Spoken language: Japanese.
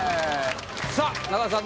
さぁ中田さん